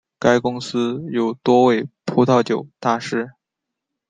该公司有多位葡萄酒大师。